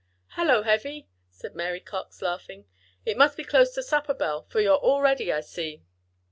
"Hello, Heavy," said Mary Cox, laughing. "It must be close to supper bell, for you're all ready, I see."